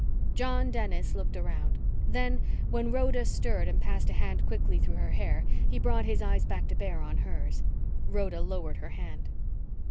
John Dennis looked around. Then, when Rhoda stirred and passed a hand quickly through her hair, he brought his eyes back to bear on hers. Rhoda lowered her hand.